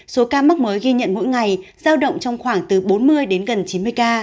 số ca mắc mới ghi nhận mỗi ngày giao động trong khoảng từ bốn mươi đến gần chín mươi ca